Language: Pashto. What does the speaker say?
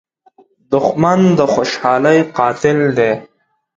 دښمن د خوشحالۍ قاتل دی